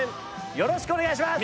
よろしくお願いします！